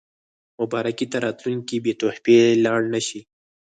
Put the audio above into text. مبارکۍ ته راتلونکي بې تحفې لاړ نه شي.